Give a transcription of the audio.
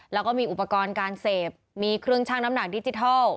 แล้วก็มีอุปกรณ์การเสพมีเครื่องชั่งน้ำหนักดิจิทัล